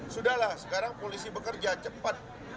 sudahlah sekarang polisi bekerja cepat